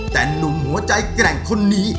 แต่หนุ่มหัวใจแกร่งคนนี้